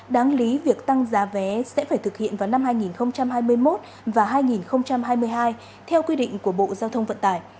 đáng lý việc tăng giá vé sẽ phải thực hiện vào năm hai nghìn hai mươi một và hai nghìn hai mươi hai theo quy định của bộ giao thông vận tải